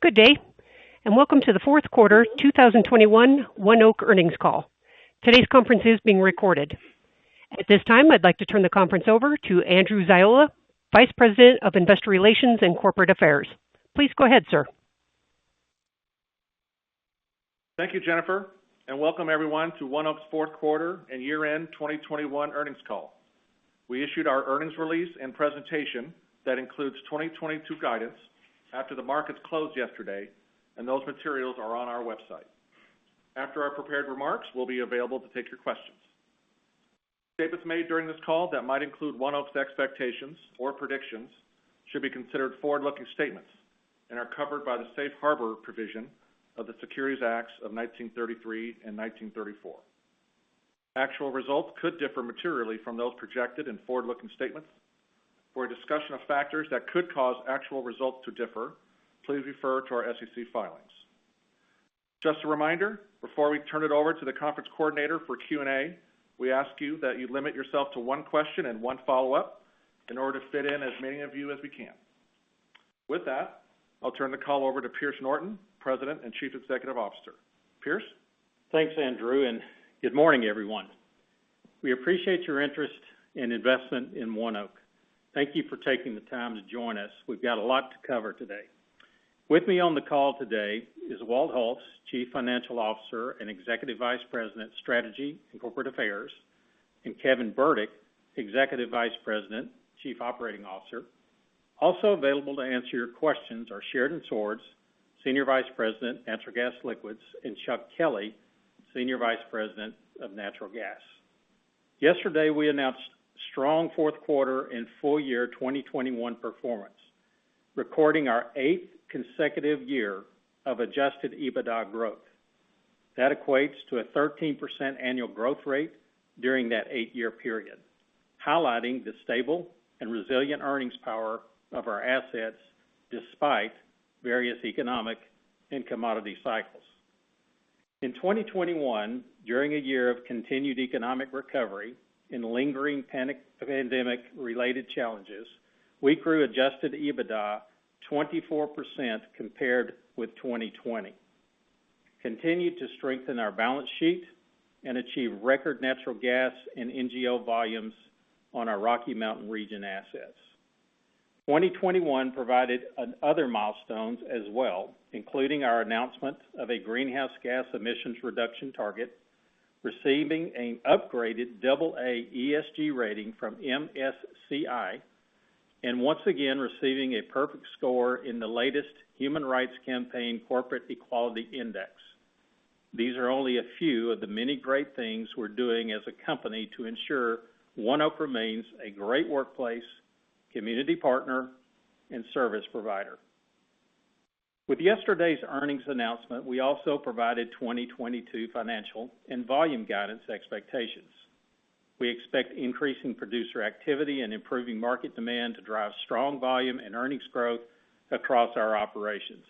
Good day, and welcome to the Fourth Quarter 2021 ONEOK Earnings Call. Today's conference is being recorded. At this time, I'd like to turn the conference over to Andrew Ziola, Vice President of Investor Relations and Corporate Affairs. Please go ahead, sir. Thank you, Jennifer, and welcome everyone to ONEOK's Fourth Quarter and Year-End 2021 Earnings Call. We issued our earnings release and presentation that includes 2022 guidance after the markets closed yesterday and those materials are on our website. After our prepared remarks, we'll be available to take your questions. Statements made during this call that might include ONEOK's expectations or predictions should be considered forward-looking statements and are covered by the Safe Harbor provision of the Securities Acts of 1933 and 1934. Actual results could differ materially from those projected in forward-looking statements. For a discussion of factors that could cause actual results to differ, please refer to our SEC filings. Just a reminder, before we turn it over to the conference coordinator for Q&A, we ask you that you limit yourself to one question and one follow-up in order to fit in as many of you as we can. With that, I'll turn the call over to Pierce Norton, President and Chief Executive Officer. Pierce. Thanks, Andrew, and good morning, everyone. We appreciate your interest and investment in ONEOK. Thank you for taking the time to join us. We've got a lot to cover today. With me on the call today is Walt Hulse, Chief Financial Officer and Executive Vice President, Strategy and Corporate Affairs, and Kevin Burdick, Executive Vice President, Chief Operating Officer. Also available to answer your questions are Sheridan Swords, Senior Vice President, Natural Gas Liquids, and Chuck Kelley, Senior Vice President of Natural Gas. Yesterday, we announced strong fourth quarter and full year 2021 performance, recording our eighth consecutive year of Adjusted EBITDA growth. That equates to a 13% annual growth rate during that eight-year period, highlighting the stable and resilient earnings power of our assets despite various economic and commodity cycles. In 2021, during a year of continued economic recovery and lingering panic, pandemic-related challenges, we grew Adjusted EBITDA 24% compared with 2020, continued to strengthen our balance sheet and achieve record natural gas and NGL volumes on our Rocky Mountain region assets. 2021 provided other milestones as well, including our announcement of a greenhouse gas emissions reduction target, receiving an upgraded AA ESG rating from MSCI, and once again, receiving a perfect score in the latest human rights campaign corporate equality index. These are only a few of the many great things we're doing as a company to ensure ONEOK remains a great workplace, community partner, and service provider. With yesterday's earnings announcement, we also provided 2022 financial and volume guidance expectations. We expect increasing producer activity and improving market demand to drive strong volume and earnings growth across our operations.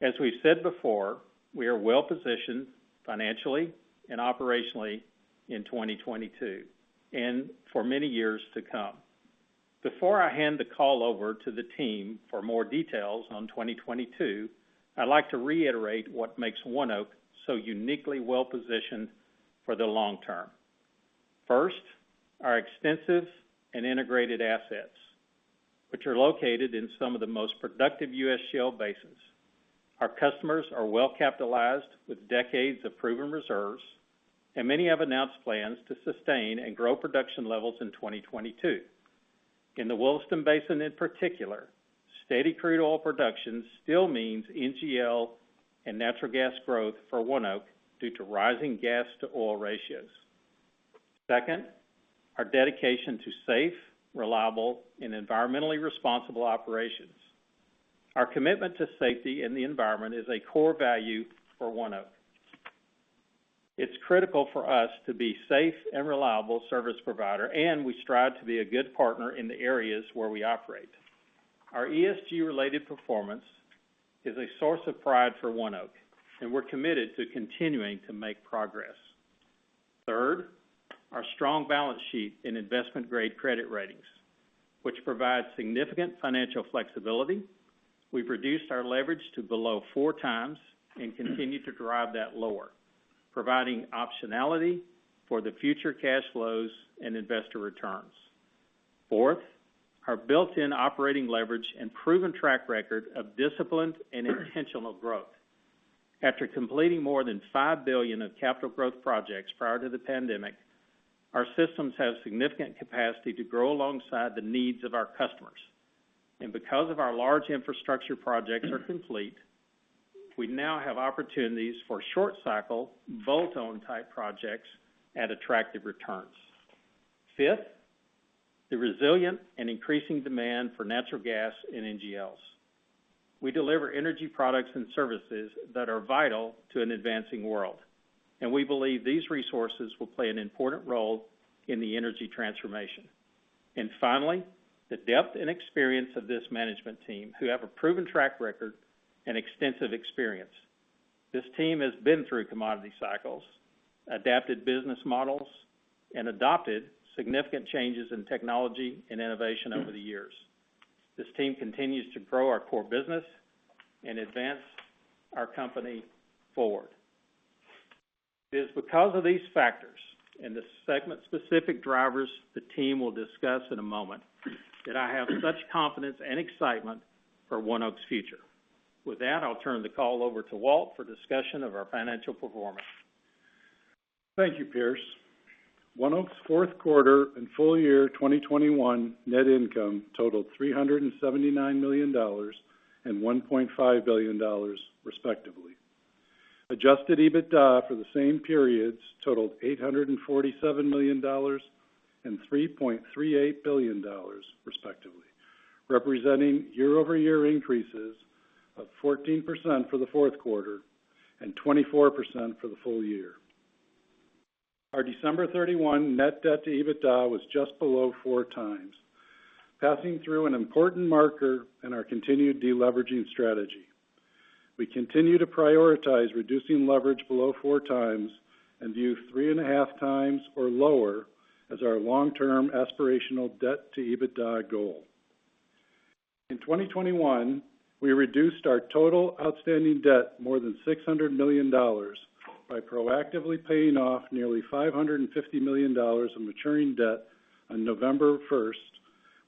As we've said before, we are well-positioned financially and operationally in 2022 and for many years to come. Before I hand the call over to the team for more details on 2022, I'd like to reiterate what makes ONEOK so uniquely well-positioned for the long term. First, our extensive and integrated assets, which are located in some of the most productive U.S. shale basins. Our customers are well-capitalized with decades of proven reserves, and many have announced plans to sustain and grow production levels in 2022. In the Williston Basin in particular, steady crude oil production still means NGL and natural gas growth for ONEOK due to rising gas to oil ratios. Second, our dedication to safe, reliable and environmentally responsible operations. Our commitment to safety and the environment is a core value for ONEOK. It's critical for us to be safe and reliable service provider, and we strive to be a good partner in the areas where we operate. Our ESG-related performance is a source of pride for ONEOK, and we're committed to continuing to make progress. Third, our strong balance sheet and investment-grade credit ratings, which provide significant financial flexibility. We've reduced our leverage to below 4x and continue to drive that lower, providing optionality for the future cash flows and investor returns. Fourth, our built-in operating leverage and proven track record of disciplined and intentional growth. After completing more than $5 billion of capital growth projects prior to the pandemic, our systems have significant capacity to grow alongside the needs of our customers. Because of our large infrastructure projects are complete, we now have opportunities for short cycle, bolt-on type projects at attractive returns. Fifth, the resilient and increasing demand for natural gas and NGLs. We deliver energy products and services that are vital to an advancing world, and we believe these resources will play an important role in the energy transformation. Finally, the depth and experience of this management team who have a proven track record and extensive experience. This team has been through commodity cycles, adapted business models, and adopted significant changes in technology and innovation over the years. This team continues to grow our core business and advance our company forward. It is because of these factors and the segment-specific drivers the team will discuss in a moment that I have such confidence and excitement for ONEOK's future. With that, I'll turn the call over to Walt for discussion of our financial performance. Thank you, Pierce. ONEOK's fourth quarter and full year 2021 net income totaled $379 million and $1.5 billion respectively. Adjusted EBITDA for the same periods totaled $847 million and $3.38 billion respectively, representing year-over-year increases of 14% for the fourth quarter and 24% for the full year. Our December 31 net debt-to-EBITDA was just below 4x, passing through an important marker in our continued deleveraging strategy. We continue to prioritize reducing leverage below 4x and view 3.5x or lower as our long-term aspirational debt-to-EBITDA goal. In 2021, we reduced our total outstanding debt more than $600 million by proactively paying off nearly $550 million in maturing debt on November 1st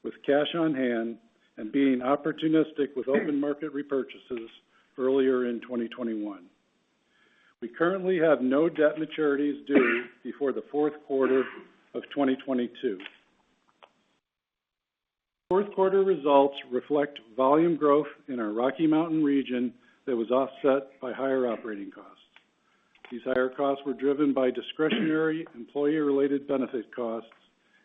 with cash on hand and being opportunistic with open market repurchases earlier in 2021. We currently have no debt maturities due before the fourth quarter of 2022. Fourth quarter results reflect volume growth in our Rocky Mountain region that was offset by higher operating costs. These higher costs were driven by discretionary employee-related benefit costs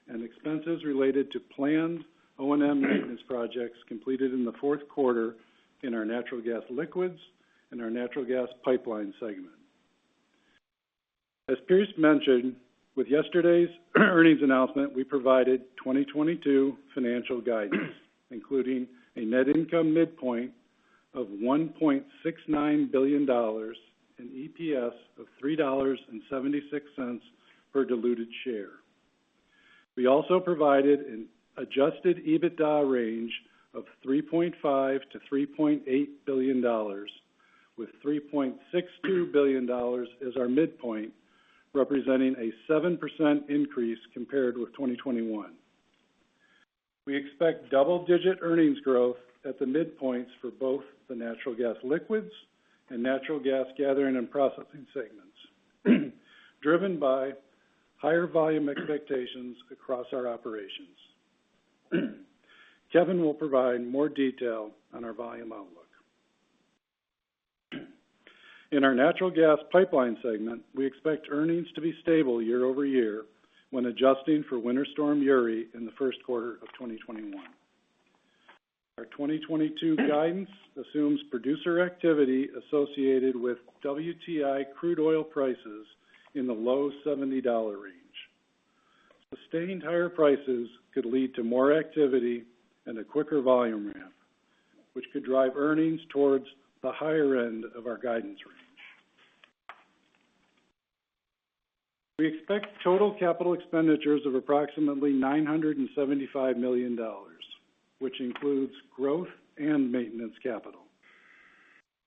and expenses related to planned O&M maintenance projects completed in the fourth quarter in our natural gas liquids and our natural gas pipeline segment. As Pierce mentioned, with yesterday's earnings announcement, we provided 2022 financial guidance including a net income midpoint of $1.69 billion and EPS of $3.76 per diluted share. We also provided an Adjusted EBITDA range of $3.5 billion-$3.8 billion, with $3.62 billion as our midpoint, representing a 7% increase compared with 2021. We expect double-digit earnings growth at the midpoints for both the natural gas liquids and natural gas gathering and processing segments, driven by higher volume expectations across our operations. Kevin will provide more detail on our volume outlook. In our natural gas pipeline segment, we expect earnings to be stable year-over-year when adjusting for Winter Storm Uri in the first quarter of 2021. Our 2022 guidance assumes producer activity associated with WTI crude oil prices in the low-$70 range. Sustained higher prices could lead to more activity and a quicker volume ramp, which could drive earnings towards the higher end of our guidance range. We expect total capital expenditures of approximately $975 million, which includes growth and maintenance capital.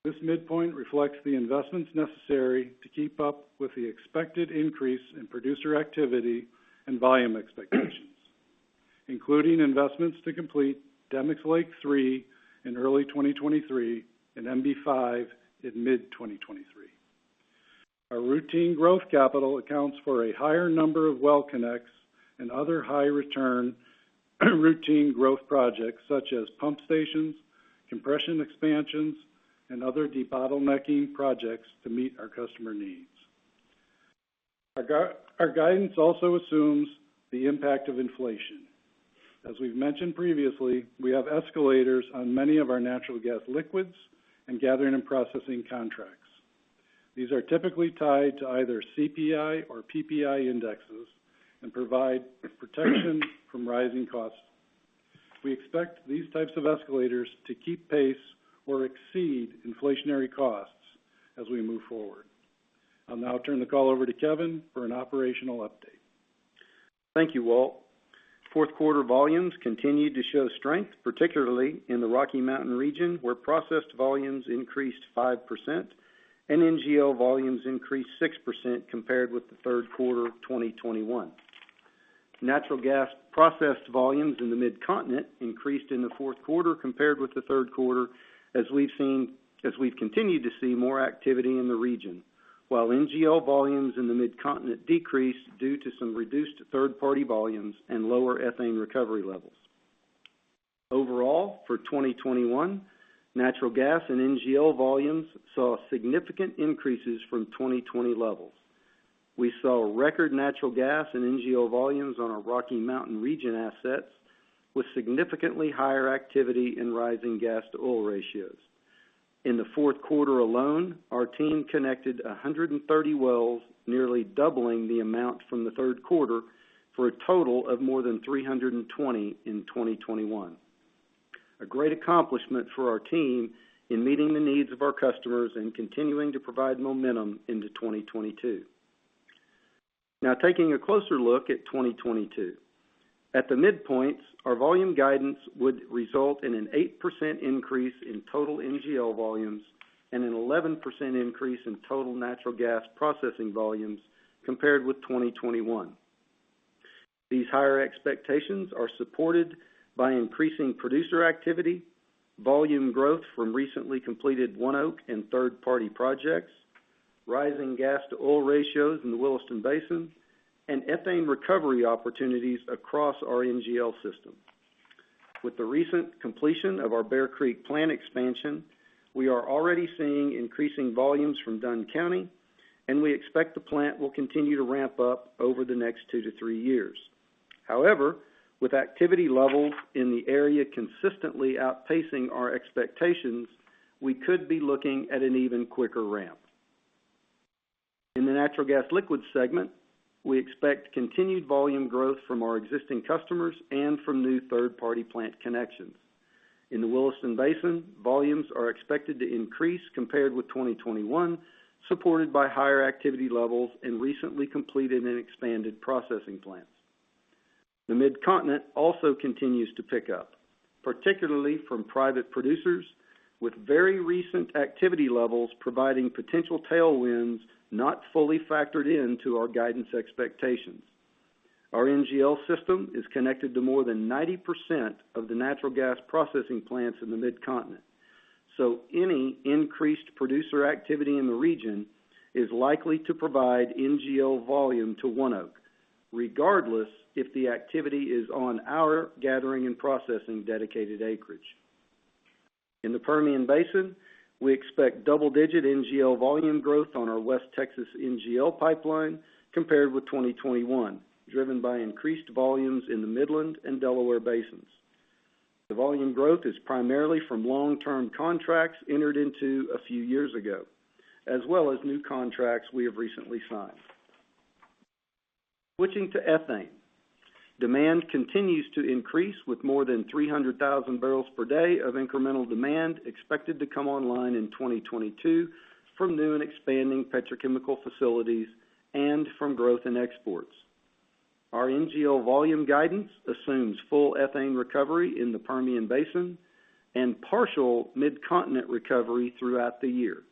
This midpoint reflects the investments necessary to keep up with the expected increase in producer activity and volume expectations, including investments to complete Demicks Lake III in early 2023 and MB-5 in mid-2023. Our routine growth capital accounts for a higher number of well connects and other high return routine growth projects such as pump stations, compression expansions, and other debottlenecking projects to meet our customer needs. Our guidance also assumes the impact of inflation. As we've mentioned previously, we have escalators on many of our natural gas liquids and gathering and processing contracts. These are typically tied to either CPI or PPI indexes and provide protection from rising costs. We expect these types of escalators to keep pace or exceed inflationary costs as we move forward. I'll now turn the call over to Kevin for an operational update. Thank you, Walt. Fourth quarter volumes continued to show strength, particularly in the Rocky Mountain region, where processed volumes increased 5% and NGL volumes increased 6% compared with the third quarter of 2021. Natural gas processed volumes in the Mid-Continent increased in the fourth quarter compared with the third quarter as we've continued to see more activity in the region, while NGL volumes in the Mid-Continent decreased due to some reduced third-party volumes and lower ethane recovery levels. Overall, for 2021, natural gas and NGL volumes saw significant increases from 2020 levels. We saw record natural gas and NGL volumes on our Rocky Mountain region assets with significantly higher activity in rising gas-to-oil ratios. In the fourth quarter alone, our team connected 130 wells, nearly doubling the amount from the third quarter for a total of more than 320 in 2021. A great accomplishment for our team in meeting the needs of our customers and continuing to provide momentum into 2022. Now taking a closer look at 2022. At the midpoints, our volume guidance would result in an 8% increase in total NGL volumes and an 11% increase in total natural gas processing volumes compared with 2021. These higher expectations are supported by increasing producer activity, volume growth from recently completed ONEOK and third-party projects, rising gas-to-oil ratios in the Williston Basin, and ethane recovery opportunities across our NGL system. With the recent completion of our Bear Creek plant expansion, we are already seeing increasing volumes from Dunn County, and we expect the plant will continue to ramp up over the next two to three years. However, with activity levels in the area consistently outpacing our expectations, we could be looking at an even quicker ramp. In the Natural Gas Liquids segment, we expect continued volume growth from our existing customers and from new third-party plant connections. In the Williston Basin, volumes are expected to increase compared with 2021, supported by higher activity levels and recently completed and expanded processing plants. The Mid-Continent also continues to pick up, particularly from private producers with very recent activity levels providing potential tailwinds not fully factored into our guidance expectations. Our NGL system is connected to more than 90% of the natural gas processing plants in the Mid-Continent, so any increased producer activity in the region is likely to provide NGL volume to ONEOK, regardless if the activity is on our gathering and processing dedicated acreage. In the Permian Basin, we expect double-digit NGL volume growth on our West Texas NGL Pipeline compared with 2021, driven by increased volumes in the Midland and Delaware Basins. The volume growth is primarily from long-term contracts entered into a few years ago, as well as new contracts we have recently signed. Switching to ethane, demand continues to increase with more than 300,000 bpd of incremental demand expected to come online in 2022 from new and expanding petrochemical facilities and from growth in exports. Our NGL volume guidance assumes full ethane recovery in the Permian Basin and partial Mid-Continent recovery throughout the year.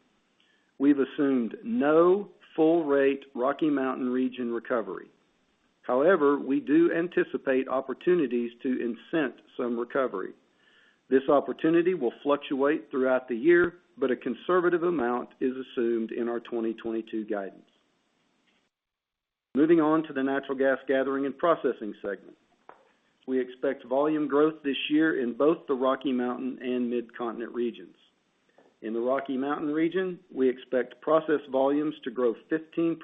We've assumed no full-rate Rocky Mountain region recovery. However, we do anticipate opportunities to incent some recovery. This opportunity will fluctuate throughout the year, but a conservative amount is assumed in our 2022 guidance. Moving on to the Natural Gas Gathering and Processing segment. We expect volume growth this year in both the Rocky Mountain and Mid-Continent regions. In the Rocky Mountain region, we expect process volumes to grow 15%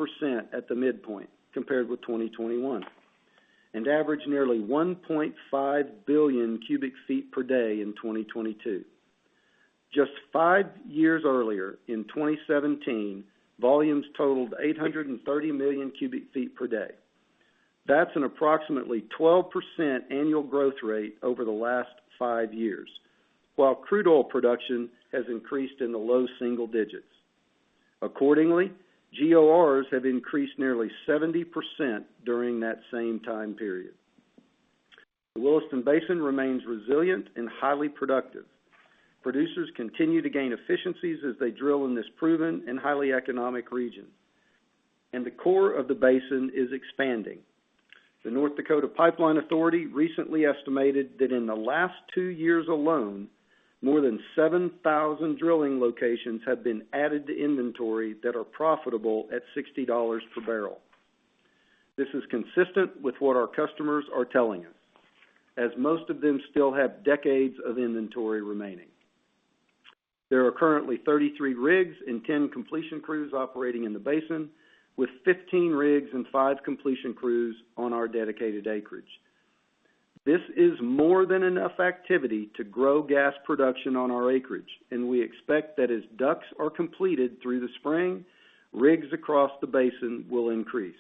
at the midpoint compared with 2021 and average nearly 1.5 billion cf/d in 2022. Just five years earlier in 2017, volumes totaled 830 million cf/d. That's an approximately 12% annual growth rate over the last five years, while crude oil production has increased in the low single digits. Accordingly, GORs have increased nearly 70% during that same time period. The Williston Basin remains resilient and highly productive. Producers continue to gain efficiencies as they drill in this proven and highly economic region, and the core of the basin is expanding. The North Dakota Pipeline Authority recently estimated that in the last two years alone, more than 7,000 drilling locations have been added to inventory that are profitable at $60/bbl. This is consistent with what our customers are telling us, as most of them still have decades of inventory remaining. There are currently 33 rigs and 10 completion crews operating in the basin, with 15 rigs and five completion crews on our dedicated acreage. This is more than enough activity to grow gas production on our acreage, and we expect that as DUCs are completed through the spring, rigs across the basin will increase.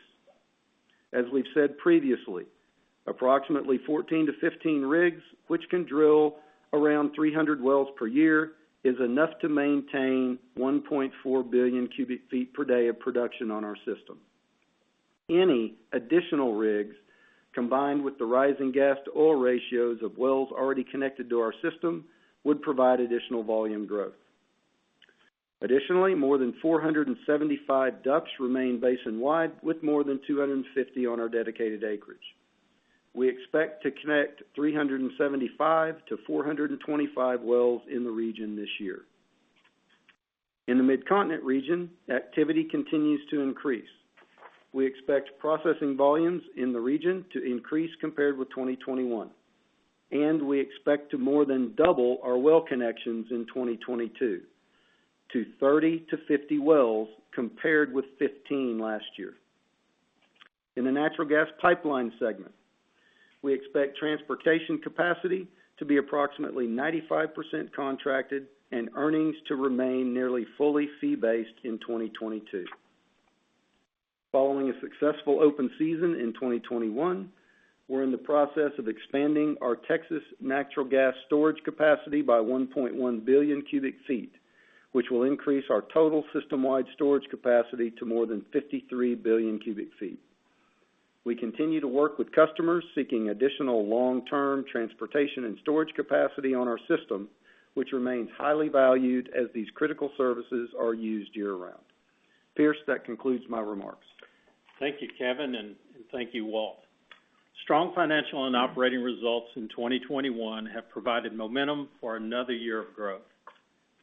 As we've said previously, approximately 14-15 rigs, which can drill around 300 wells per year, is enough to maintain 1.4 billion cf/d of production on our system. Any additional rigs, combined with the rising gas-to-oil ratios of wells already connected to our system, would provide additional volume growth. Additionally, more than 475 DUCs remain basin-wide, with more than 250 on our dedicated acreage. We expect to connect 375-425 wells in the region this year. In the Mid-Continent region, activity continues to increase. We expect processing volumes in the region to increase compared with 2021, and we expect to more than double our well connections in 2022 to 30-50 wells compared with 15 last year. In the natural gas pipeline segment, we expect transportation capacity to be approximately 95% contracted and earnings to remain nearly fully fee-based in 2022. Following a successful open season in 2021, we're in the process of expanding our Texas natural gas storage capacity by 1.1 billion cu ft, which will increase our total system-wide storage capacity to more than 53 billion cu ft. We continue to work with customers seeking additional long-term transportation and storage capacity on our system, which remains highly valued as these critical services are used year-round. Pierce, that concludes my remarks. Thank you, Kevin, and thank you, Walt. Strong financial and operating results in 2021 have provided momentum for another year of growth.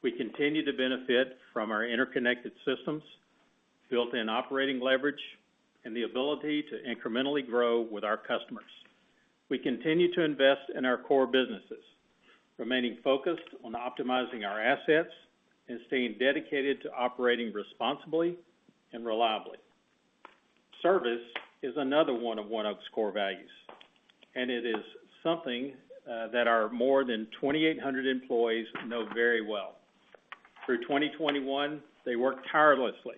We continue to benefit from our interconnected systems, built-in operating leverage, and the ability to incrementally grow with our customers. We continue to invest in our core businesses, remaining focused on optimizing our assets and staying dedicated to operating responsibly and reliably. Service is another one of ONEOK's core values, and it is something that our more than 2,800 employees know very well. Through 2021, they worked tirelessly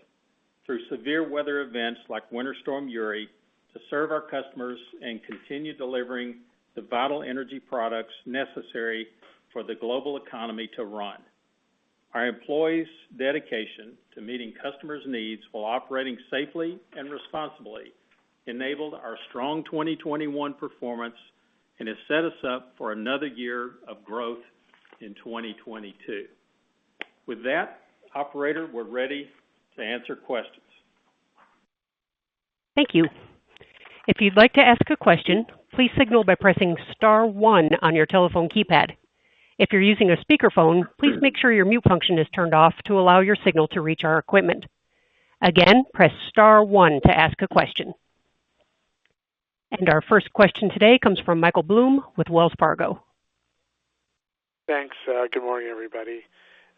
through severe weather events like Winter Storm Uri to serve our customers and continue delivering the vital energy products necessary for the global economy to run. Our employees' dedication to meeting customers' needs while operating safely and responsibly enabled our strong 2021 performance and has set us up for another year of growth in 2022. With that, operator, we're ready to answer questions. Thank you. If you'd like to ask a question, please signal by pressing star one on your telephone keypad. If you're using a speakerphone, please make sure your mute function is turned off to allow your signal to reach our equipment. Again, press star one to ask a question. Our first question today comes from Michael Blum with Wells Fargo. Thanks. Good morning, everybody.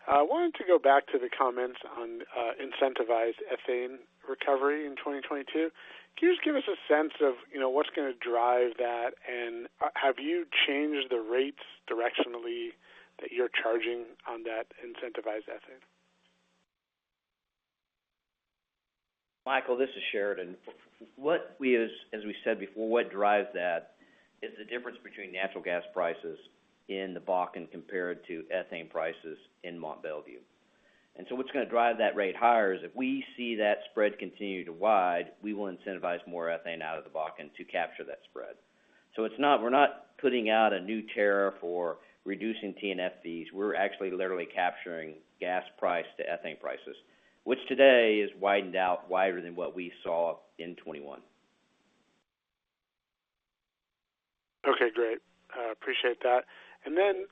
I wanted to go back to the comments on incentivized ethane recovery in 2022. Can you just give us a sense of, you know, what's gonna drive that? Have you changed the rates directionally that you're charging on that incentivized ethane? Michael, this is Sheridan. What we said before, what drives that is the difference between natural gas prices in the Bakken compared to ethane prices in Mont Belvieu. What's gonna drive that rate higher is if we see that spread continue to widen, we will incentivize more ethane out of the Bakken to capture that spread. It's not. We're not putting out a new tariff or reducing T&F fees. We're actually literally capturing gas price to ethane prices, which today has widened out wider than what we saw in 2021. Okay, great. Appreciate that. Then,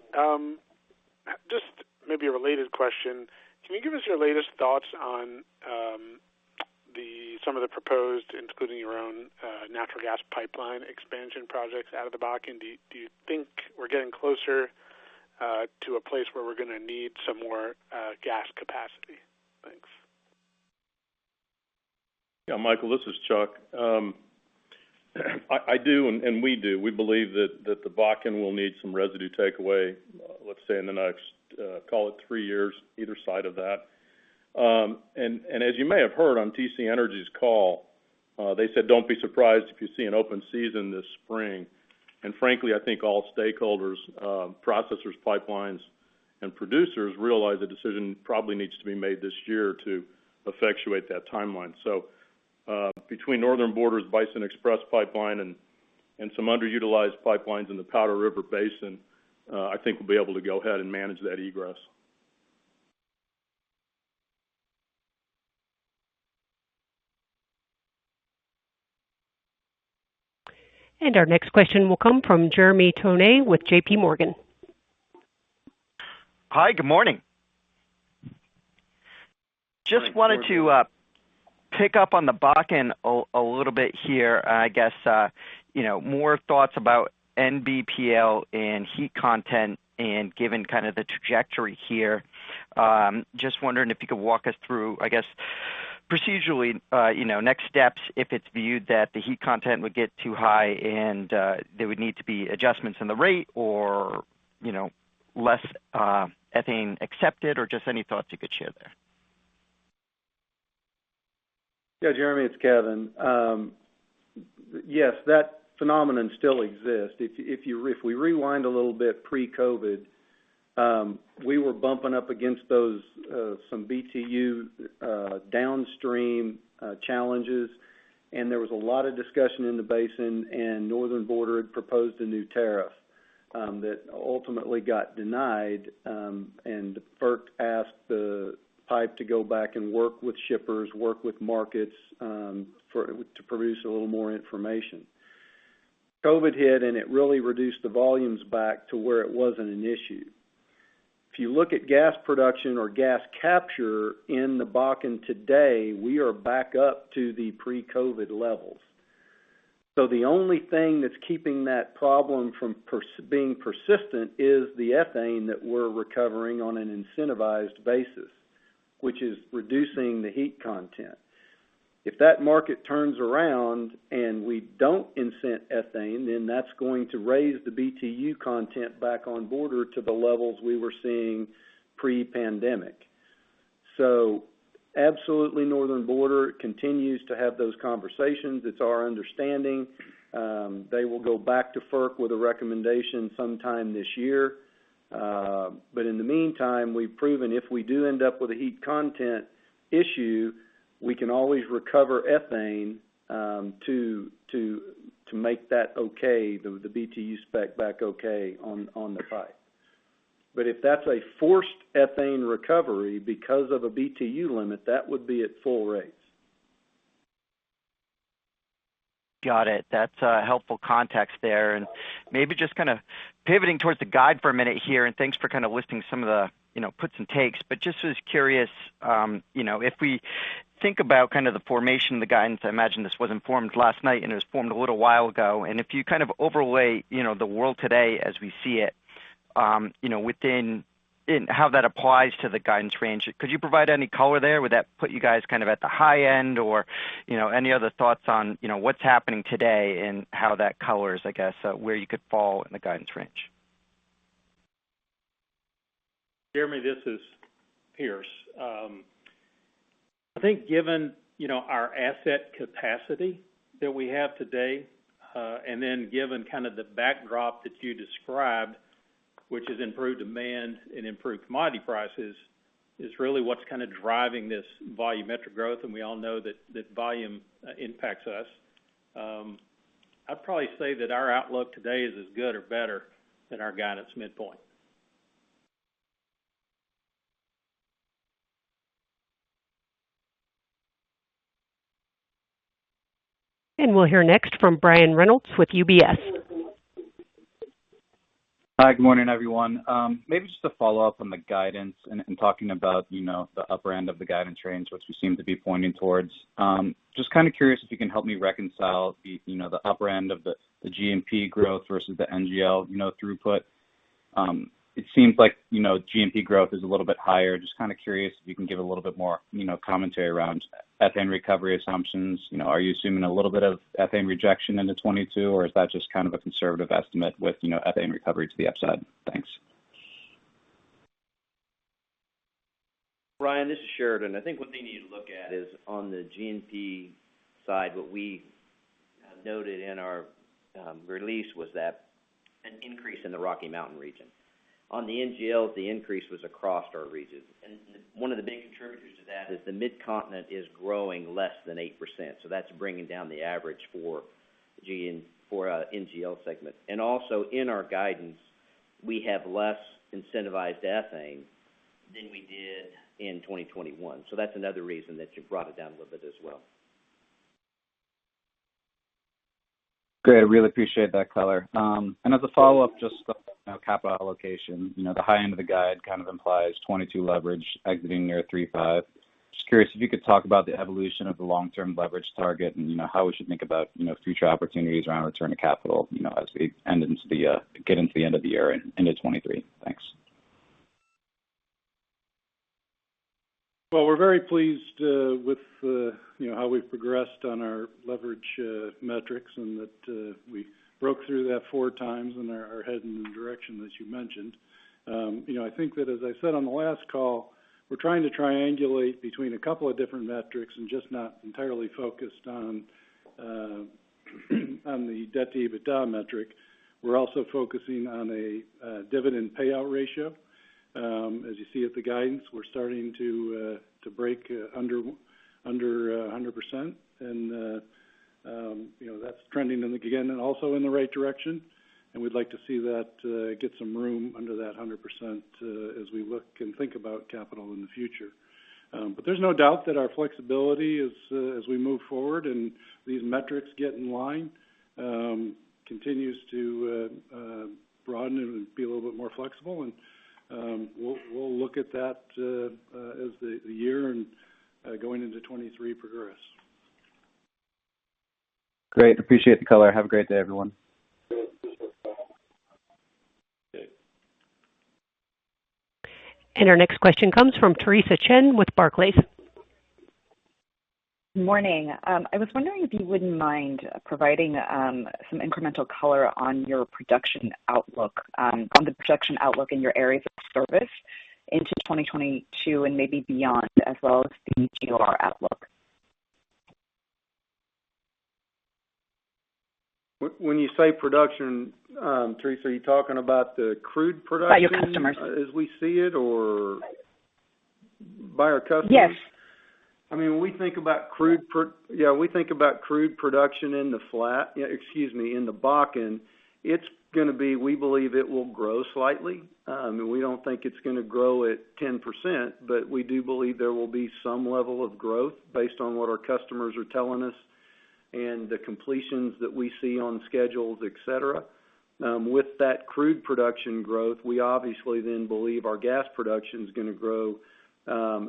just maybe a related question, can you give us your latest thoughts on some of the proposed, including your own, natural gas pipeline expansion projects out of the Bakken? Do you think we're getting closer to a place where we're gonna need some more gas capacity? Thanks. Yeah, Michael, this is Chuck. I do, and we do. We believe that the Bakken will need some residue takeaway, let's say in the next, call it three years, either side of that. As you may have heard on TC Energy's call, they said, "Don't be surprised if you see an open season this spring." Frankly, I think all stakeholders, processors, pipelines, and producers realize the decision probably needs to be made this year to effectuate that timeline. Between Northern Border's Bison Xpress Pipeline and some underutilized pipelines in the Powder River Basin, I think we'll be able to go ahead and manage that egress. Our next question will come from Jeremy Tonet with JPMorgan. Hi, good morning. Just wanted to pick up on the Bakken a little bit here. I guess, you know, more thoughts about NBPL and heat content and given kind of the trajectory here. Just wondering if you could walk us through, I guess, procedurally, you know, next steps if it's viewed that the heat content would get too high and there would need to be adjustments in the rate or, you know, less ethane accepted or just any thoughts you could share there. Yeah, Jeremy, it's Kevin. Yes, that phenomenon still exists. If we rewind a little bit pre-COVID, we were bumping up against those some BTU downstream challenges, and there was a lot of discussion in the basin and Northern Border had proposed a new tariff that ultimately got denied. FERC asked the pipe to go back and work with shippers, work with markets to produce a little more information. COVID hit, and it really reduced the volumes back to where it wasn't an issue. If you look at gas production or gas capture in the Bakken today, we are back up to the pre-COVID levels. The only thing that's keeping that problem from being persistent is the ethane that we're recovering on an incentivized basis, which is reducing the heat content. If that market turns around and we don't incent ethane, then that's going to raise the BTU content back on Border to the levels we were seeing pre-pandemic. Absolutely Northern Border continues to have those conversations. It's our understanding, they will go back to FERC with a recommendation sometime this year. In the meantime, we've proven if we do end up with a heat content issue, we can always recover ethane to make that okay, the BTU spec back okay on the pipe. If that's a forced ethane recovery because of a BTU limit, that would be at full rates. Got it. That's a helpful context there. Maybe just kind of pivoting towards the guidance for a minute here, and thanks for kind of listing some of the, you know, puts and takes, but just was curious, you know, if we think about kind of the formation of the guidance, I imagine this wasn't formed last night and it was formed a little while ago. If you kind of overlay, you know, the world today as we see it, you know, in how that applies to the guidance range, could you provide any color there? Would that put you guys kind of at the high end or, you know, any other thoughts on, you know, what's happening today and how that colors, I guess, where you could fall in the guidance range? Jeremy, this is Pierce. I think given, you know, our asset capacity that we have today, and then given kind of the backdrop that you described, which is improved demand and improved commodity prices, is really what's kind of driving this volumetric growth, and we all know that volume impacts us. I'd probably say that our outlook today is as good or better than our guidance midpoint. We'll hear next from Brian Reynolds with UBS. Hi, good morning, everyone. Maybe just to follow up on the guidance and talking about, you know, the upper end of the guidance range, which we seem to be pointing towards. Just kind of curious if you can help me reconcile you know, the upper end of the G&P growth versus the NGL, you know, throughput. It seems like, you know, G&P growth is a little bit higher. Just kind of curious if you can give a little bit more, you know, commentary around ethane recovery assumptions. You know, are you assuming a little bit of ethane rejection into 2022, or is that just kind of a conservative estimate with, you know, ethane recovery to the upside? Thanks. Brian, this is Sheridan. I think what they need to look at is on the G&P side, what we noted in our release was that an increase in the Rocky Mountain region. On the NGL, the increase was across our region. One of the big contributors to that is the Midcontinent is growing less than 8%, so that's bringing down the average for the NGL segment. Also in our guidance, we have less incentivized ethane than we did in 2021. That's another reason that you brought it down a little bit as well. Great. Really appreciate that color. And as a follow-up, just, you know, capital allocation. You know, the high end of the guide kind of implies 2022 leverage exiting near 3.5x. Just curious if you could talk about the evolution of the long-term leverage target and, you know, how we should think about, you know, future opportunities around return of capital, you know, as we get into the end of the year and into 2023. Thanks. Well, we're very pleased with you know, how we've progressed on our leverage metrics and that we broke through that 4x and are heading in the direction as you mentioned. You know, I think that as I said on the last call, we're trying to triangulate between a couple of different metrics and just not entirely focused on the debt-to-EBITDA metric. We're also focusing on a dividend payout ratio. As you see at the guidance, we're starting to break under 100%. You know, that's trending again also in the right direction. We'd like to see that get some room under that 100%, as we look and think about capital in the future. There's no doubt that our flexibility as we move forward and these metrics get in line continues to broaden and be a little bit more flexible. We'll look at that as the year progresses going into 2023. Great. Appreciate the color. Have a great day, everyone. Our next question comes from Theresa Chen with Barclays. Morning. I was wondering if you wouldn't mind providing some incremental color on your production outlook in your areas of service into 2022 and maybe beyond, as well as the GOR outlook. When you say production, Theresa, are you talking about the crude production? By your customers. as we see it, or. By- By our customers? Yes. I mean, when we think about crude production in the Bakken, we believe it will grow slightly. We don't think it's gonna grow at 10%, but we do believe there will be some level of growth based on what our customers are telling us and the completions that we see on schedules, et cetera. With that crude production growth, we obviously then believe our gas production's gonna grow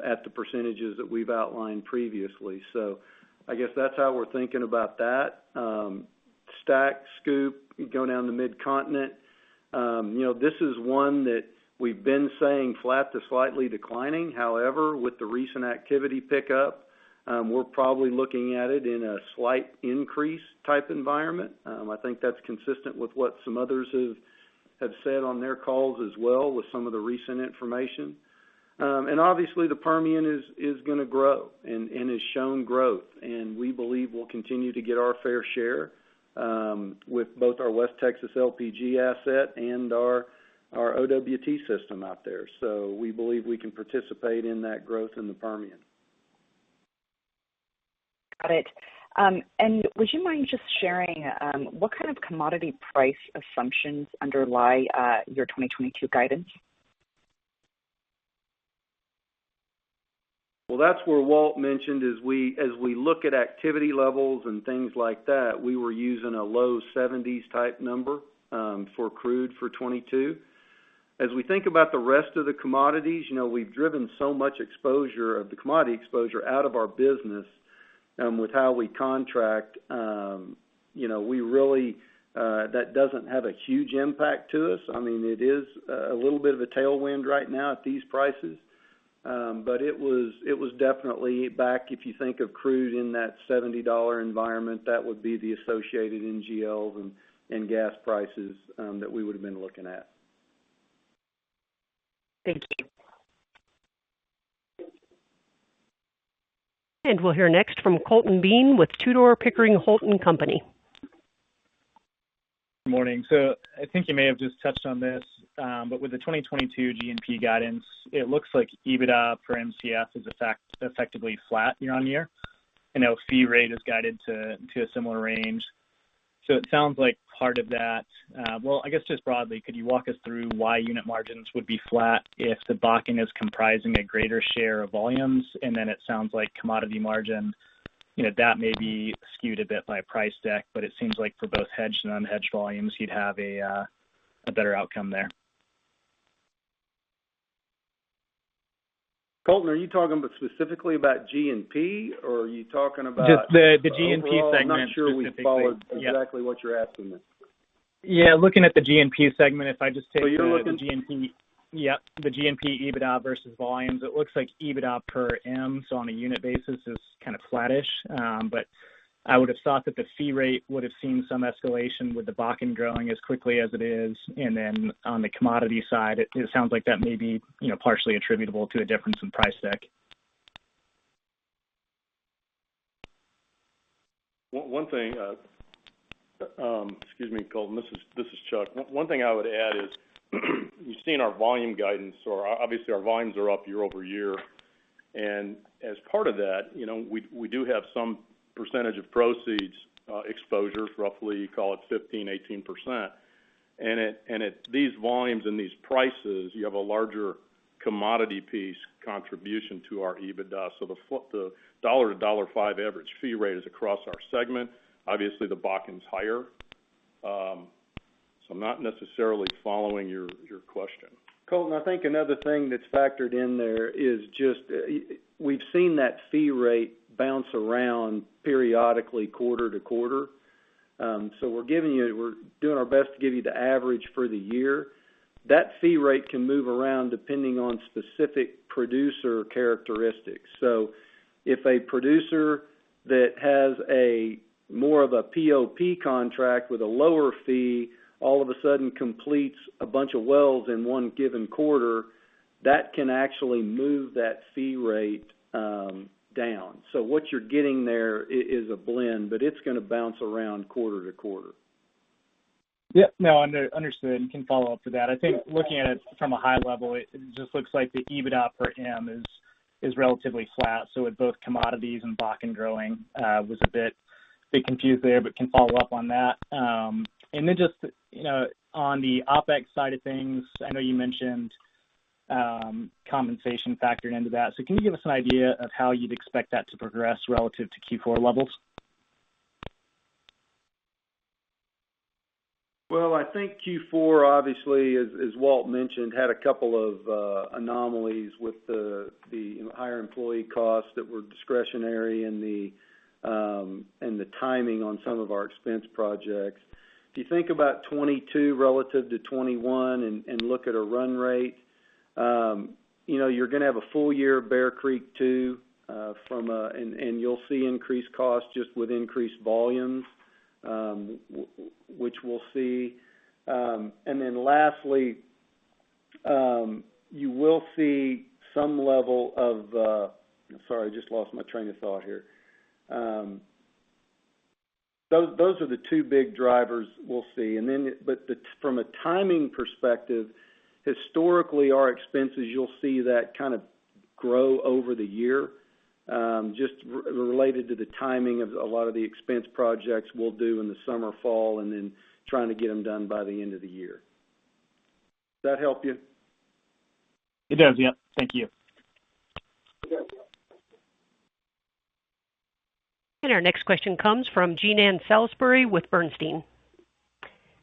at the percentages that we've outlined previously. I guess that's how we're thinking about that. STACK, SCOOP, you go down to Midcontinent, you know, this is one that we've been saying flat to slightly declining. However, with the recent activity pickup, we're probably looking at it in a slight increase type environment. I think that's consistent with what some others have said on their calls as well with some of the recent information. Obviously the Permian is gonna grow and has shown growth, and we believe we'll continue to get our fair share, with both our West Texas LPG asset and our OWT system out there. We believe we can participate in that growth in the Permian. Got it. Would you mind just sharing what kind of commodity price assumptions underlie your 2022 guidance? Well, that's where Walt mentioned as we look at activity levels and things like that, we were using a low-$70s type number for crude for 2022. As we think about the rest of the commodities, you know, we've driven so much exposure of the commodity exposure out of our business with how we contract, you know, we really that doesn't have a huge impact to us. I mean, it is a little bit of a tailwind right now at these prices. But it was definitely back, if you think of crude in that $70 environment, that would be the associated NGLs and gas prices that we would've been looking at. Thank you. We'll hear next from Colton Bean with Tudor, Pickering, Holt & Co. Morning. I think you may have just touched on this, but with the 2022 G&P guidance, it looks like EBITDA for MCF is effectively flat year-on-year. I know fee rate is guided to a similar range. It sounds like part of that. Well, I guess just broadly, could you walk us through why unit margins would be flat if the Bakken is comprising a greater share of volumes? And then it sounds like commodity margin, you know, that may be skewed a bit by price deck, but it seems like for both hedged and unhedged volumes, you'd have a better outcome there. Colton, are you talking specifically about G&P or are you talking about Just the G&P segment specifically. Oh, I'm not sure we followed exactly what you're asking there. Yeah. Looking at the G&P segment, if I just take the- You're looking. G&P. Yeah, the G&P EBITDA versus volumes, it looks like EBITDA per m, so on a unit basis is kind of flattish. But I would've thought that the fee rate would've seen some escalation with the Bakken growing as quickly as it is. Then on the commodity side, it sounds like that may be, you know, partially attributable to a difference in price deck. One thing, excuse me, Colton. This is Chuck. One thing I would add is, you've seen our volume guidance, or obviously our volumes are up year-over-year. As part of that, you know, we do have some percentage of proceeds exposure, roughly call it 15%-18%. At these volumes and these prices, you have a larger commodity piece contribution to our EBITDA. The dollar-for-dollar $5 average fee rate is across our segment. Obviously, the Bakken's higher. I'm not necessarily following your question. Colton, I think another thing that's factored in there is just, we've seen that fee rate bounce around periodically quarter-to-quarter. We're doing our best to give you the average for the year. That fee rate can move around depending on specific producer characteristics. If a producer that has a more of a POP contract with a lower fee all of a sudden completes a bunch of wells in one given quarter, that can actually move that fee rate down. What you're getting there is a blend, but it's gonna bounce around quarter-to-quarter. Yeah. No, understood. Can follow up with that. I think looking at it from a high level, it just looks like the EBITDA per m is relatively flat. With both commodities and Bakken growing, was a bit confused there, but can follow up on that. You know, on the OpEx side of things, I know you mentioned compensation factored into that. Can you give us an idea of how you'd expect that to progress relative to Q4 levels? Well, I think Q4 obviously as Walt mentioned had a couple of anomalies with the higher employee costs that were discretionary and the timing on some of our expense projects. If you think about 2022 relative to 2021 and look at a run rate, you know, you're gonna have a full year of Bear Creek II and you'll see increased costs just with increased volumes, which we'll see. And then lastly, you will see some level of. Sorry, I just lost my train of thought here. Those are the two big drivers we'll see. From a timing perspective, historically, our expenses, you'll see that kind of grow over the year, just related to the timing of a lot of the expense projects we'll do in the summer, fall, and then trying to get them done by the end of the year. That help you? It does. Yeah. Thank you. You bet. Our next question comes from Jean Ann Salisbury with Bernstein.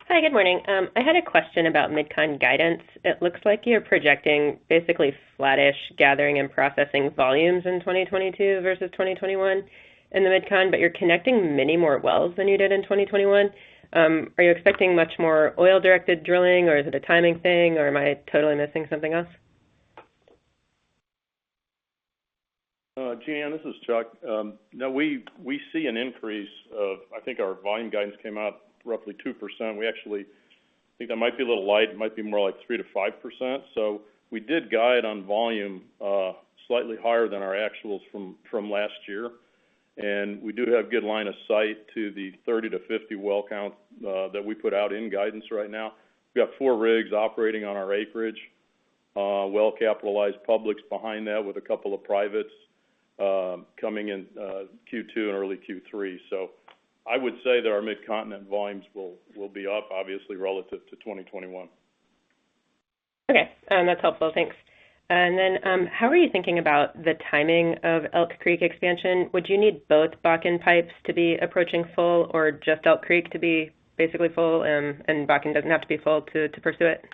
Hi, good morning. I had a question about Mid-Continent guidance. It looks like you're projecting basically flattish gathering and processing volumes in 2022 versus 2021 in the Mid-Continent, but you're connecting many more wells than you did in 2021. Are you expecting much more oil-directed drilling, or is it a timing thing, or am I totally missing something else? Jean, this is Chuck. No, we see an increase. I think our volume guidance came out roughly 2%. We actually think that might be a little light; it might be more like 3%-5%. We did guide on volume slightly higher than our actuals from last year. We do have good line of sight to the 30-50 well count that we put out in guidance right now. We've got four rigs operating on our acreage. Well-capitalized publics behind that with a couple of privates coming in Q2 and early Q3. I would say that our Midcontinent volumes will be up obviously relative to 2021. Okay, that's helpful. Thanks. How are you thinking about the timing of Elk Creek expansion? Would you need both Bakken pipes to be approaching full or just Elk Creek to be basically full, and Bakken doesn't have to be full to pursue it?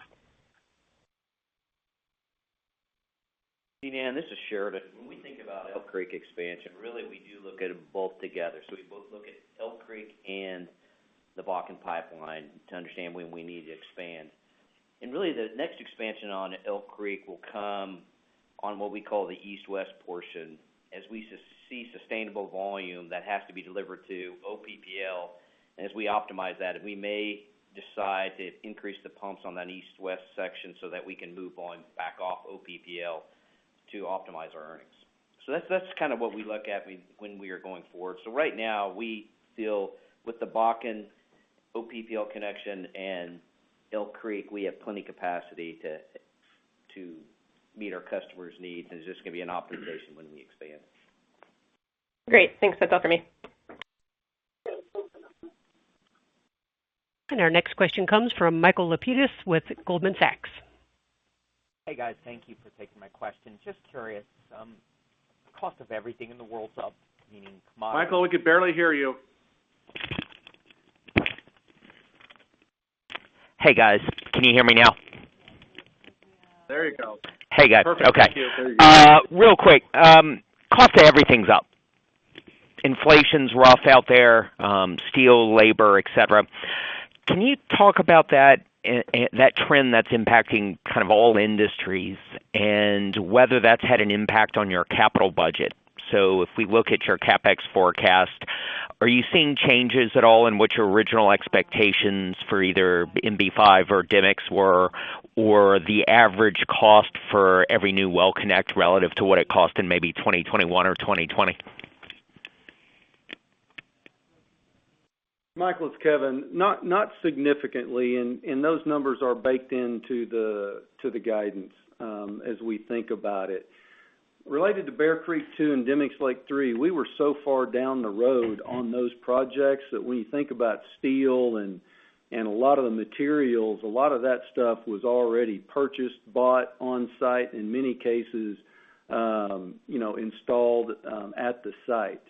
Jean, this is Sheridan. When we think about Elk Creek expansion, really we do look at them both together. We both look at Elk Creek and the Bakken pipeline to understand when we need to expand. Really, the next expansion on Elk Creek will come on what we call the east-west portion. As we see sustainable volume that has to be delivered to OPPL, and as we optimize that, we may decide to increase the pumps on that east-west section so that we can move more back off OPPL to optimize our earnings. That's kind of what we look at when we are going forward. Right now we feel with the Bakken OPPL connection and Elk Creek, we have plenty capacity to meet our customers' needs, and it's just gonna be an optimization when we expand. Great. Thanks. That's all for me. Our next question comes from Michael Lapides with Goldman Sachs. Hey, guys. Thank you for taking my question. Just curious, cost of everything in the world's up, meaning Michael, we could barely hear you. Hey guys, can you hear me now? There you go. Hey guys. Perfect. Okay. There you go. Real quick, cost of everything's up. Inflation's rough out there, steel, labor, et cetera. Can you talk about that trend that's impacting kind of all industries and whether that's had an impact on your capital budget? If we look at your CapEx forecast, are you seeing changes at all in which original expectations for either MB-5 or Demicks were, or the average cost for every new well connect relative to what it cost in maybe 2021 or 2020? Michael, it's Kevin. Not significantly. Those numbers are baked into the guidance as we think about it. Related to Bear Creek II and Demicks Lake III, we were so far down the road on those projects that when you think about steel and a lot of the materials, a lot of that stuff was already purchased, bought on-site, in many cases, you know, installed at the site.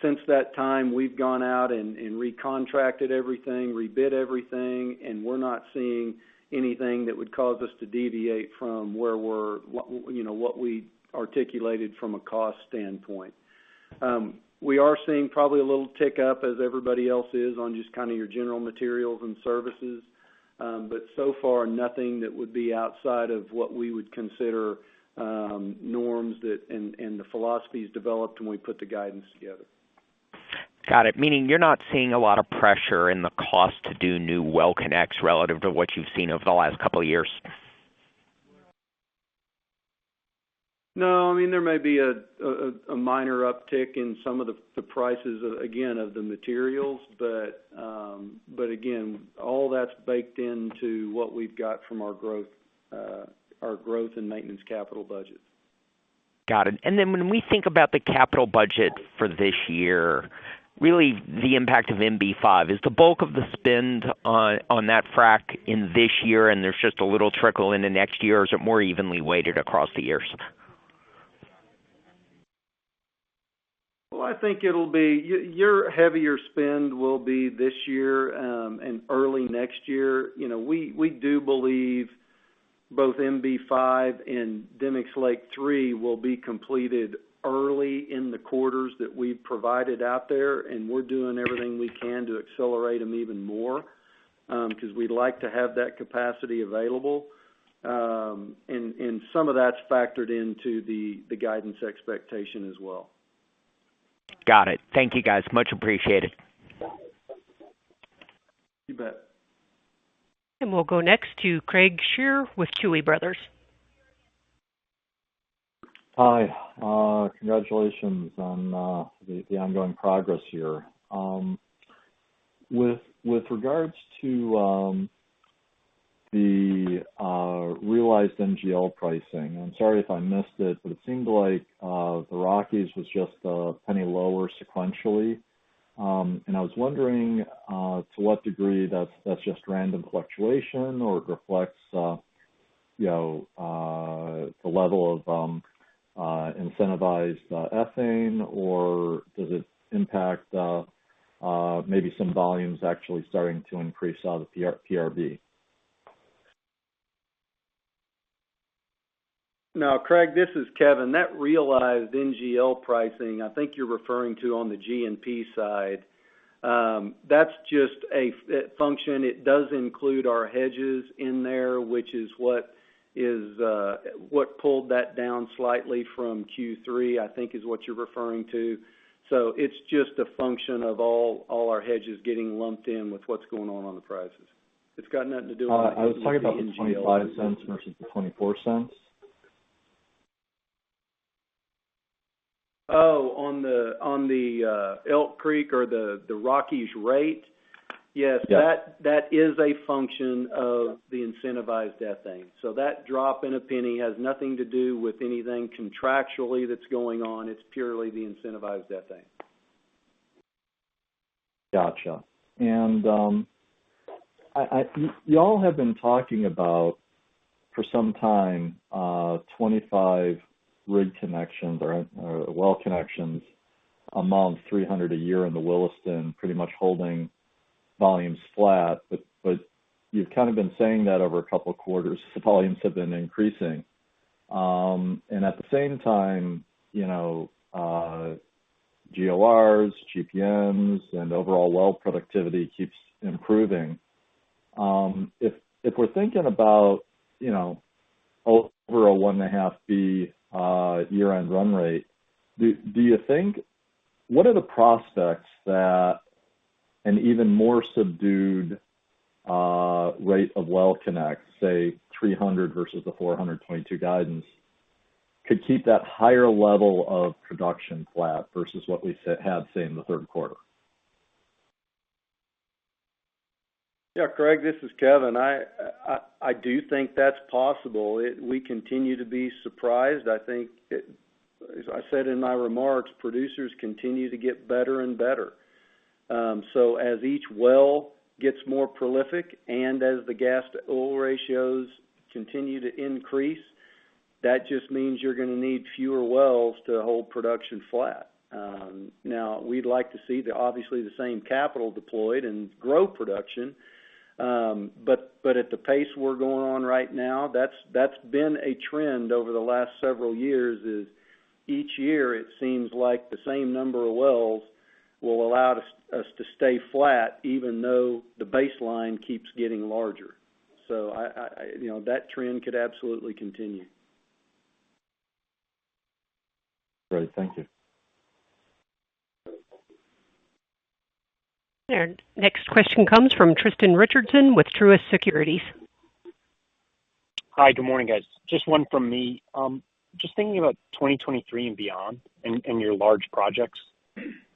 Since that time, we've gone out and recontracted everything, rebid everything, and we're not seeing anything that would cause us to deviate from where we're, you know, what we articulated from a cost standpoint. We are seeing probably a little tick up as everybody else is on just kind of your general materials and services. So far nothing that would be outside of what we would consider norms, that and the philosophies developed when we put the guidance together. Got it. Meaning you're not seeing a lot of pressure in the cost to do new well connects relative to what you've seen over the last couple of years? No. I mean, there may be a minor uptick in some of the prices again of the materials. Again, all that's baked into what we've got from our growth and maintenance capital budget. Got it. When we think about the capital budget for this year, really the impact of MB-5, is the bulk of the spend on that frac in this year and there's just a little trickle in the next year? Or is it more evenly weighted across the years? Well, I think it'll be your heavier spend this year and early next year. You know, we do believe both MB-5 and Demicks Lake III will be completed early in the quarters that we've provided out there, and we're doing everything we can to accelerate them even more, 'cause we'd like to have that capacity available. And some of that's factored into the guidance expectation as well. Got it. Thank you, guys. Much appreciated. You bet. We'll go next to Craig Shere with Tuohy Brothers. Hi, congratulations on the ongoing progress here. With regards to the realized NGL pricing, I'm sorry if I missed it, but it seemed like the Rockies was just $0.01 lower sequentially. I was wondering to what degree that's just random fluctuation or it reflects you know the level of incentivized ethane, or does it impact maybe some volumes actually starting to increase out of the PRB? No, Craig, this is Kevin. That realized NGL pricing, I think you're referring to on the G&P side. That's just a function. It does include our hedges in there, which is what pulled that down slightly from Q3, I think is what you're referring to. It's just a function of all our hedges getting lumped in with what's going on on the prices. It's got nothing to do with- I was talking about the $0.25 versus the $0.24. Oh, on the Elk Creek or the Rockies rate? Yes. Yeah. That is a function of the incentivized ethane. That drop in a penny has nothing to do with anything contractually that's going on. It's purely the incentivized ethane. Gotcha. Y'all have been talking about, for some time, 25 rig connections or well connections among 300 a year in the Williston, pretty much holding volumes flat. You've kind of been saying that over a couple of quarters. The volumes have been increasing. At the same time, you know, GORs, GPMs, and overall well productivity keeps improving. If we're thinking about, you know, over a 1.5 billion cf/d year-end run rate, do you think what are the prospects that an even more subdued rate of well connects, say 300 versus the 422 guidance, could keep that higher level of production flat versus what we had, say, in the third quarter? Yeah. Craig, this is Kevin. I do think that's possible. We continue to be surprised. I think. As I said in my remarks, producers continue to get better and better. So as each well gets more prolific and as the gas-to-oil ratios continue to increase, that just means you're gonna need fewer wells to hold production flat. Now we'd like to see, obviously, the same capital deployed and grow production. At the pace we're going on right now, that's been a trend over the last several years, is each year it seems like the same number of wells will allow us to stay flat even though the baseline keeps getting larger. You know, that trend could absolutely continue. Great. Thank you. Next question comes from Tristan Richardson with Truist Securities. Hi. Good morning, guys. Just one from me. Just thinking about 2023 and beyond and your large projects.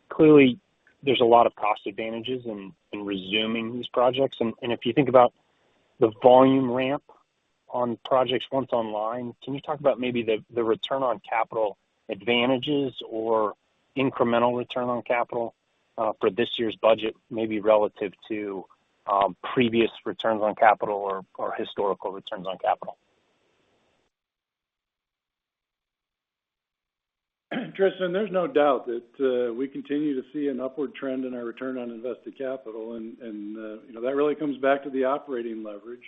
Clearly, there's a lot of cost advantages in resuming these projects. If you think about the volume ramp on projects once online, can you talk about maybe the return on capital advantages or incremental return on capital for this year's budget, maybe relative to previous returns on capital or historical returns on capital? Tristan, there's no doubt that we continue to see an upward trend in our return on invested capital. You know, that really comes back to the operating leverage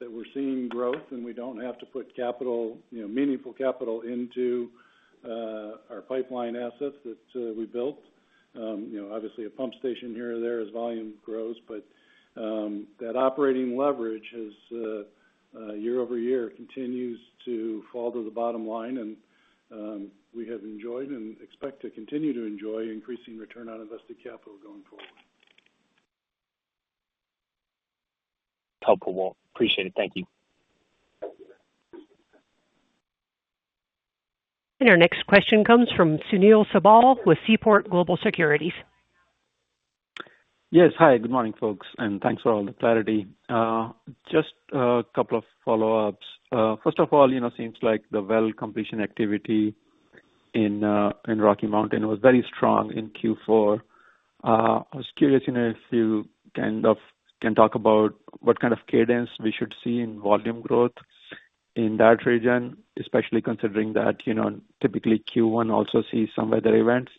that we're seeing growth, and we don't have to put capital, you know, meaningful capital into our pipeline assets that we built. You know, obviously a pump station here or there as volume grows, but that operating leverage has year-over-year continues to fall to the bottom line. We have enjoyed and expect to continue to enjoy increasing return on invested capital going forward. Helpful, Walt. Appreciate it. Thank you. Our next question comes from Sunil Sibal with Seaport Global Securities. Yes. Hi, good morning, folks, and thanks for all the clarity. Just a couple of follow-ups. First of all, you know, seems like the well completion activity in Rocky Mountain was very strong in Q4. I was curious, you know, if you kind of can talk about what kind of cadence we should see in volume growth in that region, especially considering that, you know, typically Q1 also sees some weather events.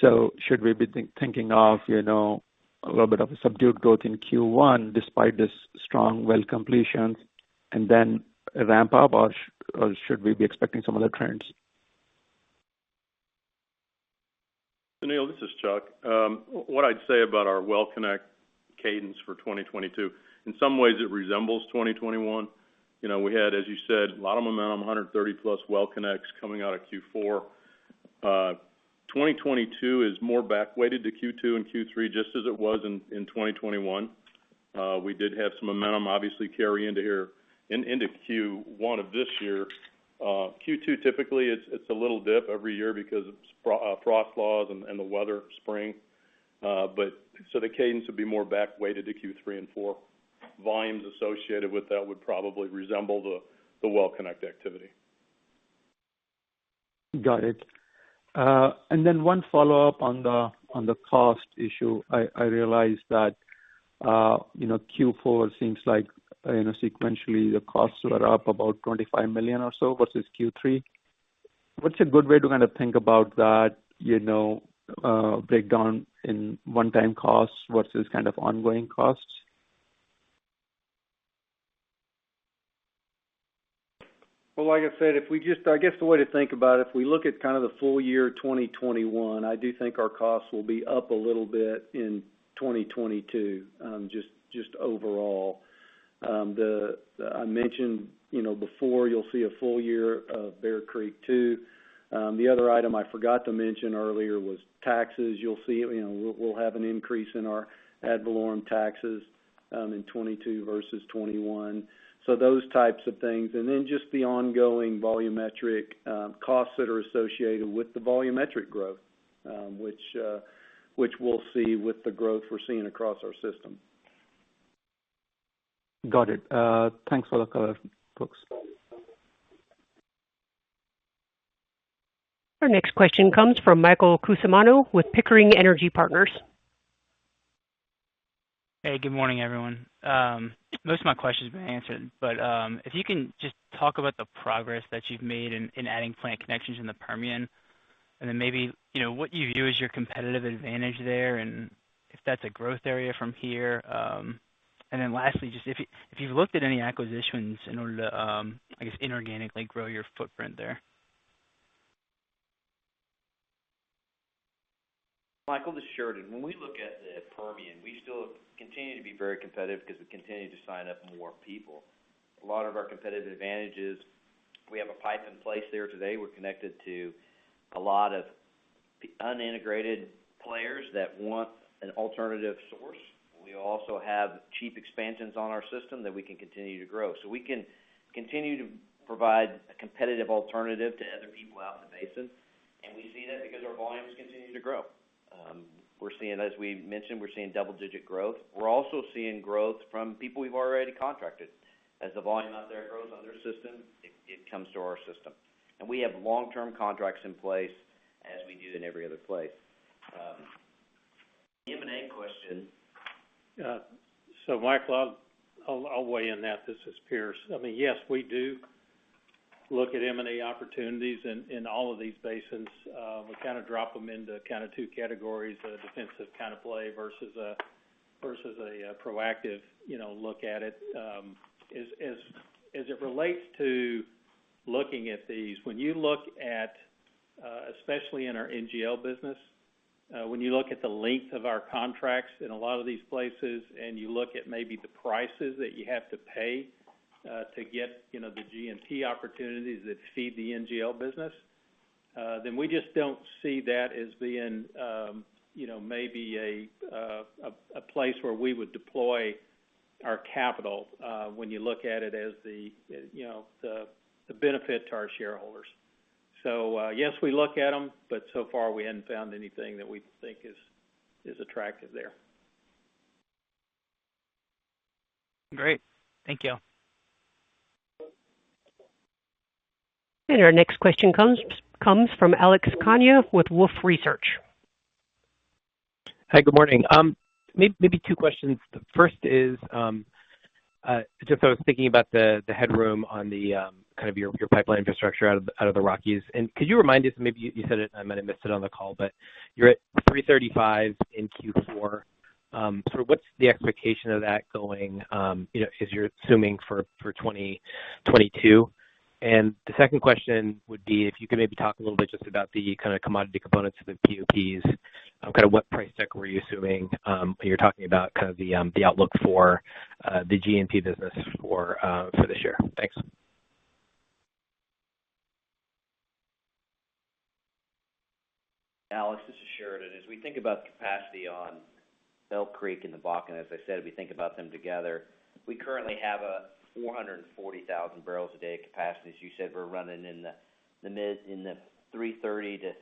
So should we be thinking of, you know, a little bit of a subdued growth in Q1 despite this strong well completions and then a ramp up, or should we be expecting some other trends? Sunil, this is Chuck. What I'd say about our well connect cadence for 2022, in some ways it resembles 2021. You know, we had, as you said, a lot of momentum, 130+ well connects coming out of Q4. 2022 is more back weighted to Q2 and Q3, just as it was in 2021. We did have some momentum obviously carry into Q1 of this year. Q2 typically it's a little dip every year because of frost laws and the weather, spring. The cadence would be more back weighted to Q3 and Q4. Volumes associated with that would probably resemble the well connect activity. Got it. One follow-up on the cost issue. I realize that, you know, Q4 seems like, you know, sequentially your costs were up about $25 million or so versus Q3. What's a good way to kind of think about that, you know, breakdown in one-time costs versus kind of ongoing costs? Well, like I said, I guess the way to think about it, if we look at kind of the full year 2021, I do think our costs will be up a little bit in 2022, just overall. I mentioned, you know, before you'll see a full year of Bear Creek II. The other item I forgot to mention earlier was taxes. You'll see, you know, we'll have an increase in our ad valorem taxes in 2022 versus 2021. Those types of things, and then just the ongoing volumetric costs that are associated with the volumetric growth, which we'll see with the growth we're seeing across our system. Got it. Thanks a lot, color folks. Our next question comes from Michael Cusimano with Pickering Energy Partners. Hey, good morning, everyone. Most of my questions have been answered, but if you can just talk about the progress that you've made in adding plant connections in the Permian, and then maybe, you know, what you view as your competitive advantage there, and if that's a growth area from here. Lastly, just if you've looked at any acquisitions in order to inorganically grow your footprint there. Michael, this is Sheridan. When we look at the Permian, we still continue to be very competitive because we continue to sign up more people. A lot of our competitive advantage is we have a pipe in place there today. We're connected to a lot of unintegrated players that want an alternative source. We also have cheap expansions on our system that we can continue to grow. We can continue to provide a competitive alternative to other people out in the basin, and we see that because our volumes continue to grow. As we mentioned, we're seeing double-digit growth. We're also seeing growth from people we've already contracted. As the volume out there grows on their system, it comes to our system. We have long-term contracts in place as we do in every other place. The M&A question. Michael, I'll weigh in that. This is Pierce. I mean, yes, we do look at M&A opportunities in all of these basins. We kind of drop them into kind of two categories, a defensive kind of play versus a proactive, you know, look at it. As it relates to looking at these, when you look at especially in our NGL business, when you look at the length of our contracts in a lot of these places, and you look at maybe the prices that you have to pay to get, you know, the G&P opportunities that feed the NGL business, then we just don't see that as being, you know, maybe a place where we would deploy our capital, when you look at it as the, you know, the benefit to our shareholders. Yes, we look at them, but so far we hadn't found anything that we think is attractive there. Great. Thank you. Our next question comes from Alex Kania with Wolfe Research. Hi. Good morning. Maybe two questions. The first is, just I was thinking about the headroom on the kind of your pipeline infrastructure out of the Rockies. Could you remind us, maybe you said it, I might have missed it on the call, but you're at 335,000 bpd in Q4. So what's the expectation of that going, you know, as you're assuming for 2022? The second question would be if you could maybe talk a little bit just about the kind of commodity components of the POPs, kind of what price deck were you assuming, you're talking about kind of the outlook for the G&P business for this year. Thanks. Alex, this is Sheridan. As we think about the capacity on Elk Creek and the Bakken, as I said, we think about them together. We currently have 440,000 bpd capacity. As you said, we're running in the mid 330,000-350,000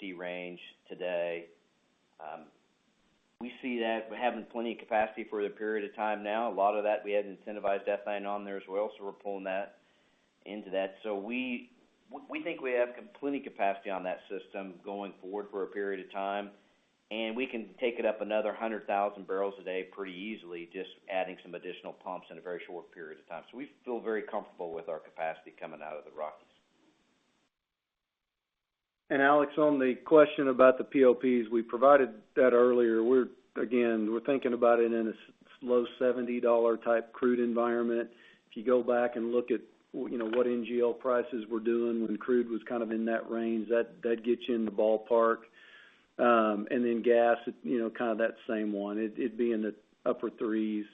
bpd range today. We see that we're having plenty of capacity for the period of time now. A lot of that, we had incentivized ethane on there as well, so we're pulling that into that. We think we have plenty capacity on that system going forward for a period of time, and we can take it up another 100,000 bpd pretty easily, just adding some additional pumps in a very short period of time. We feel very comfortable with our capacity coming out of the Rockies. Alex, on the question about the POPs, we provided that earlier. We're again thinking about it in a say low $70 type crude environment. If you go back and look at, you know, what NGL prices were doing when crude was kind of in that range, that gets you in the ballpark. And then gas, you know, kind of that same one. It'd be in the upper $3s,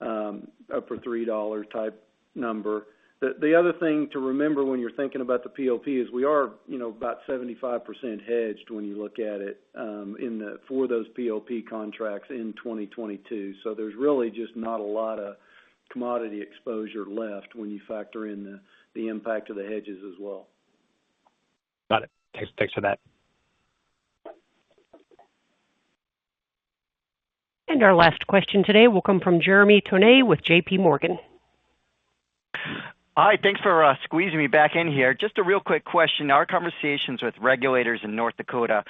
upper $3 type number. The other thing to remember when you're thinking about the POP is we are, you know, about 75% hedged when you look at it, in for those POP contracts in 2022. So there's really just not a lot of commodity exposure left when you factor in the impact of the hedges as well. Got it. Thanks for that. Our last question today will come from Jeremy Tonet with JPMorgan. Hi. Thanks for squeezing me back in here. Just a real quick question. Our conversations with regulators in North Dakota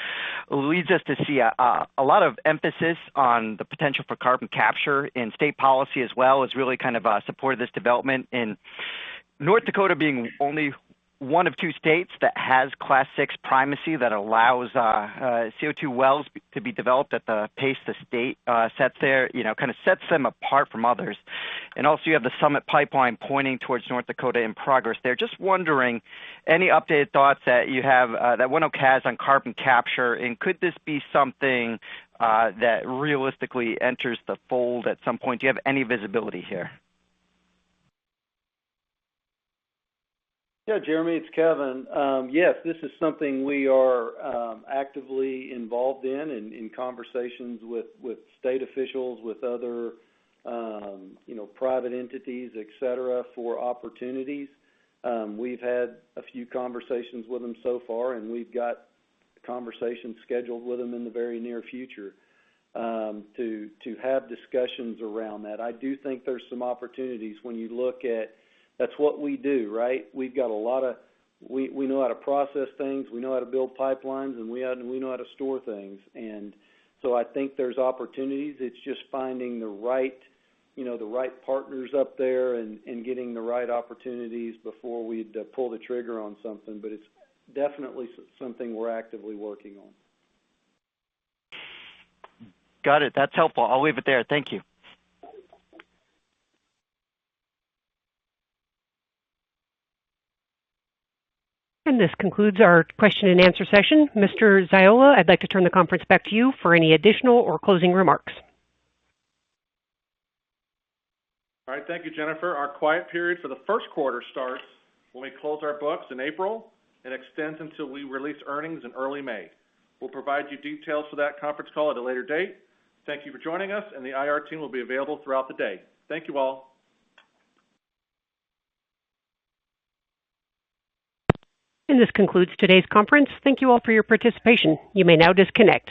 leads us to see a lot of emphasis on the potential for carbon capture and state policy as well as really kind of support this development. North Dakota being only one One of two states that has Class VI primacy that allows CO2 wells to be developed at the pace the state sets there, you know, kind of sets them apart from others. Also you have the Summit pipeline pointing towards North Dakota in progress. They're just wondering any updated thoughts that you have, that ONEOK has on carbon capture, and could this be something, that realistically enters the fold at some point? Do you have any visibility here? Yeah, Jeremy, it's Kevin. Yes, this is something we are actively involved in conversations with state officials, with other, you know, private entities, et cetera, for opportunities. We've had a few conversations with them so far, and we've got conversations scheduled with them in the very near future, to have discussions around that. I do think there's some opportunities when you look at that's what we do, right? We know how to process things, we know how to build pipelines, and we know how to store things. I think there's opportunities. It's just finding the right, you know, the right partners up there and getting the right opportunities before we'd pull the trigger on something. It's definitely something we're actively working on. Got it. That's helpful. I'll leave it there. Thank you. This concludes our question-and-answer session. Mr. Ziola, I'd like to turn the conference back to you for any additional or closing remarks. All right. Thank you, Jennifer. Our quiet period for the first quarter starts when we close our books in April and extends until we release earnings in early May. We'll provide you details for that conference call at a later date. Thank you for joining us, and the IR team will be available throughout the day. Thank you all. This concludes today's conference. Thank you all for your participation. You may now disconnect.